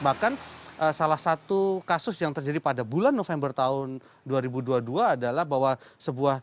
bahkan salah satu kasus yang terjadi pada bulan november tahun dua ribu dua puluh dua adalah bahwa sebuah